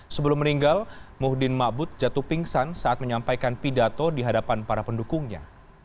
sebelum meninggal muhdin ma'bud jatuh pingsan saat menyampaikan pidato di hadapan para pendukungnya